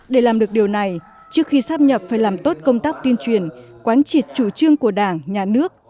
để làm được điều này trước khi sắp nhập phải làm tốt công tác tuyên truyền quán triệt chủ trương của đảng nhà nước